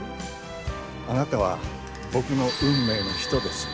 あなたは僕の運命の人です。